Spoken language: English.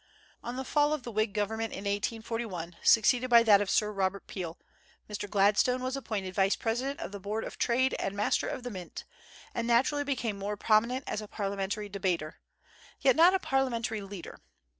On the fall of the Whig government in 1841, succeeded by that of Sir Robert Peel, Mr. Gladstone was appointed vice president of the Board of Trade and master of the Mint, and naturally became more prominent as a parliamentary debater, not yet a parliamentary leader.